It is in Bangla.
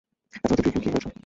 এতো রাতে তুই এখানে কি হয়েছে?